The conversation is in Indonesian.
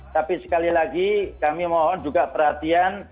tapi sekali lagi kami mohon juga perhatian